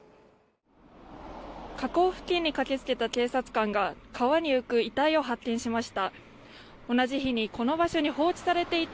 河口付近に駆けつけた警察官が川に浮く遺体を発見しました。